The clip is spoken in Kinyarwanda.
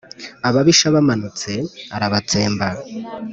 ababisha bamanutse, arabatsemba,